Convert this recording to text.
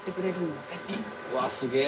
うわすげぇ。